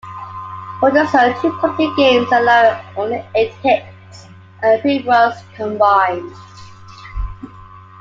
Walters hurled two complete games, allowing only eight hits and three runs combined.